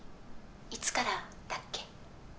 いつからだっけ？